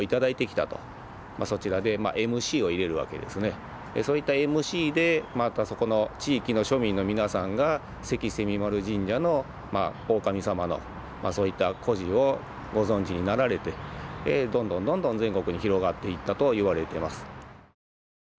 そちらでそういったＭＣでまたそこの地域の庶民の皆さんが関蝉丸神社の大神さまのそういった故事をご存じになられてどんどんどんどん全国に広がっていったと言われてます。